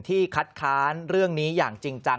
คัดค้านเรื่องนี้อย่างจริงจัง